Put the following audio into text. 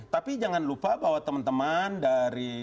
tapi jangan lupa bahwa teman teman dari